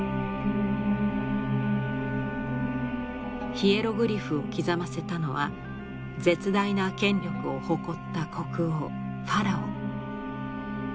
ヒエログリフを刻ませたのは絶大な権力を誇った国王ファラオ。